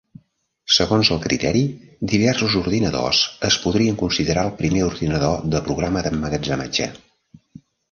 Segons el criteri, diversos ordinadors es podrien considerar el primer ordinador de programa d'emmagatzematge.